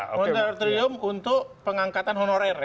moratorium untuk pengangkatan honorer